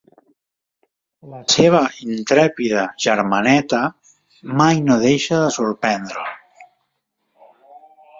La seva intrèpida germaneta mai no deixa de sorprendre'l.